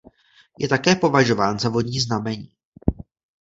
Je také považován za vodní znamení.